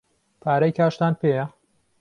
پارەی کاشتان پێیە؟